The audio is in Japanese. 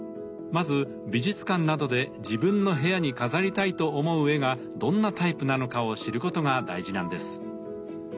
まず美術館などで自分の部屋に飾りたいと思う絵がどんなタイプなのかを知ることが大事なんです。